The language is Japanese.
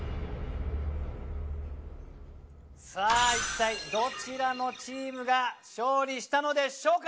さあいったいどちらのチームが勝利したのでしょうか？